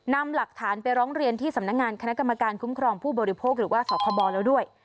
นำหลักฐานไปร้องเรียนที่สำนักงานคณะกรรมการคุ้มครองผู้บริโภคหรือว่าสคบแล้วด้วย